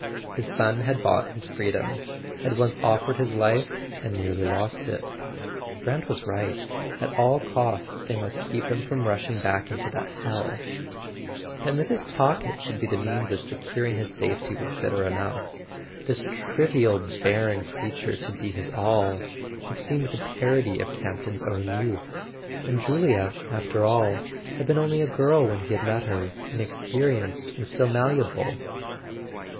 His son had bought his freedom, had once offered his life and nearly lost it. Brant was right: at all costs they must keep him from rushing back into that hell. That Mrs. Talkett should be the means of securing [ 353 ] A SON AT THE FRONT his safety was bitter enough. This trivial barren crea¬ ture to be his all—it seemed the parody of Campton's own youth! And Julia, after all, had been only a girl when he had met her, inexperienced and still malle¬ able.